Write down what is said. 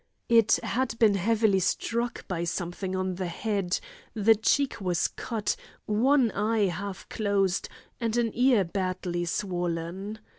It had been heavily struck by something on the head; the cheek was cut, one eye half closed, and an ear badly swollen.